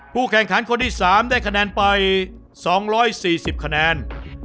แข่งขันคนที่๓ได้คะแนนไป๒๔๐คะแนน